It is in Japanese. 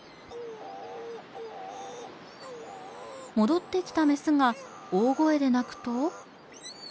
戻ってきたメスが大声で鳴くと。